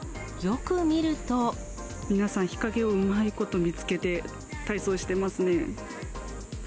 皆さん、日陰をうまいこと見つけて体操してますね。